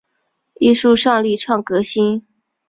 艺术上力倡革新